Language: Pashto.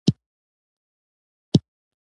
لطفا انتظار وکړئ، زه به د بل حل لپاره وګورم.